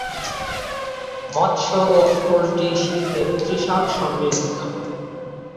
মৎস্য ও পোল্ট্রি শিল্পে ত্রিশাল সমৃদ্ধ।